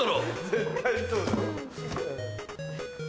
絶対そうだ。